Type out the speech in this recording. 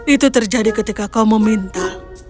itu terjadi ketika kau meminta